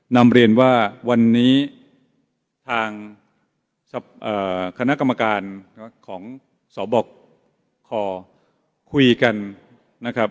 นำเรียนว่าวันนี้ทางคณะกรรมการของสบคคุยกันนะครับ